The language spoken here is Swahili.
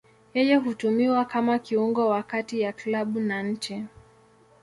Yeye hutumiwa kama kiungo wa kati ya klabu na nchi.